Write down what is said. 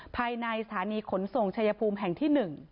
ภายในสถานีขนส่งชายภูมิแห่งที่๑